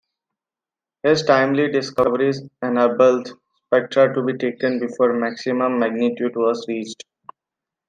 His timely discoveries enabled spectra to be taken before maximum magnitude was reached.